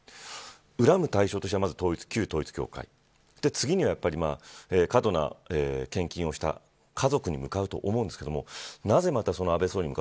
恨む対象としては旧統一教会次は過度な献金をした家族に向かうと思うんですけどなぜ、また安倍元総理なのか。